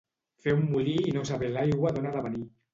Fer un molí i no saber l'aigua d'on ha de venir.